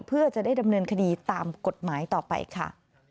เพื่อจะได้ดำเนินคดีตามกฎหมายต่อไปค่ะ